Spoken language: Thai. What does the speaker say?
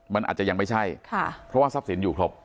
มันอาจจะยังไม่ใช่ค่ะเพราะว่าทรัพย์สินอยู่ครบ